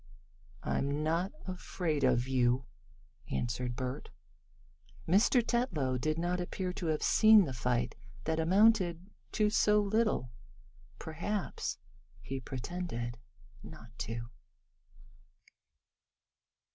"I'm not afraid of you," answered Bert. Mr. Tetlow did not appear to have seen the fight that amounted to so little. Perhaps he pretended not to.